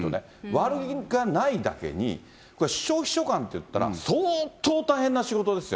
悪気がないだけに、これは首相秘書官っていったら相当大変な仕事ですよ。